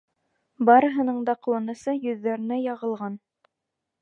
Барыһының ҡыуанысы йөҙҙәренә яғылған.